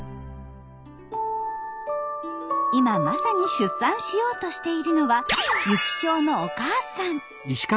今まさに出産しようとしているのはユキヒョウのお母さん。